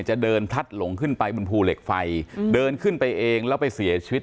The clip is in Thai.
จะเดินพลัดหลงขึ้นไปบนภูเหล็กไฟเดินขึ้นไปเองแล้วไปเสียชีวิต